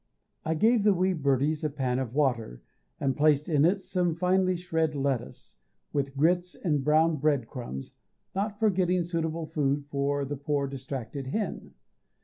I gave the wee birdies a pan of water, and placed in it some finely shred lettuce, with grits and brown bread crumbs, not forgetting suitable food for the poor distracted hen.